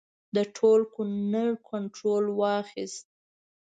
د ټول کنړ کنټرول واخیست.